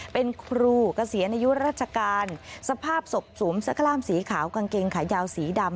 เป็นครูกระเสียนอายุราชการสภาพสบสุมซะคลามสีขาวกางเกงขายาวสีดำ